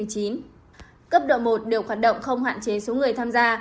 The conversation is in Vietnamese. cấp độ một đều hoạt động không hạn chế số người tham gia